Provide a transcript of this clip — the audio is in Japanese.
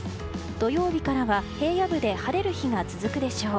土曜日からは平野部で晴れる日が続くでしょう。